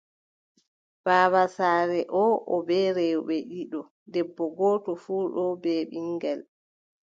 Baaba saare oo, o bee rewɓe ɗiɗo, debbo gooto fuu bee ɓiŋngel.